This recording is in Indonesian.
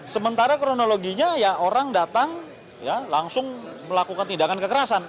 sementara kronologinya ya orang datang langsung melakukan tindakan kekerasan